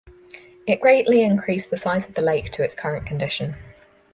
It greatly increased the size of the lake to its current condition.